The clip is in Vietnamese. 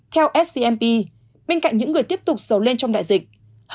theo smp bên cạnh những người tiếp tục sầu lên trong đại dịch